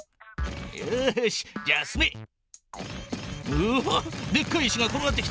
うわでっかい石が転がってきた。